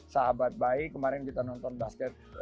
sahabat baik kemarin kita nonton basket